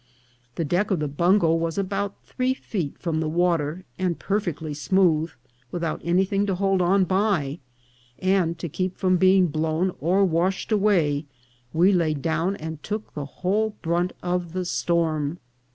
The deck of the bungo was about three feet from the water, and perfectly smooth, without anything to hold on by, and, to keep from being blown or wash ed away, we lay down and took the whole brunt of the storm.